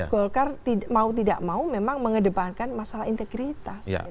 golkar mau tidak mau memang mengedepankan masalah integritas